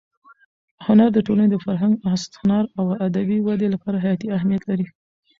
هنر د ټولنې د فرهنګ، هنر او ادبي ودې لپاره حیاتي اهمیت لري.